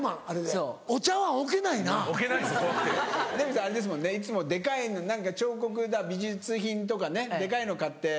あれですもんねいつもデカい彫刻だ美術品とかデカいの買って。